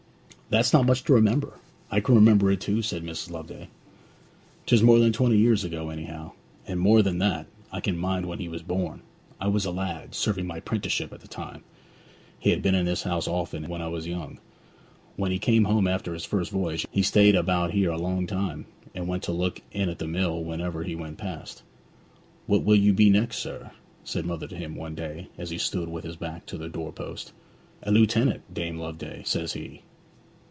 'That's not much to remember. I can remember it too,' said Mrs. Loveday. ''Tis more than twenty years ago anyhow. And more than that, I can mind when he was born; I was a lad, serving my 'prenticeship at the time. He has been in this house often and often when 'a was young. When he came home after his first voyage he stayed about here a long time, and used to look in at the mill whenever he went past. "What will you be next, sir?" said mother to him one day as he stood with his back to the doorpost. "A lieutenant, Dame Loveday," says he.